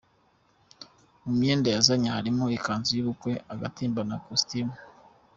Mu myenda yazanye harimo ikanzu y’ubukwe, agatimba na kositimu.